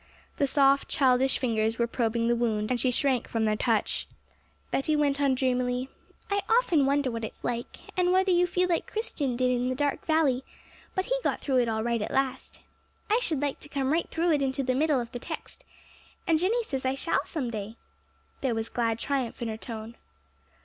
The soft, childish fingers were probing the wound, and she shrank from their touch. Betty went on dreamily, 'I often wonder what it's like, and whether you feel like Christian did in the dark valley; but he got through it all right at last! I should like to come right through it into the middle of the text, and Jenny says I shall some day!' There was glad triumph in her tone.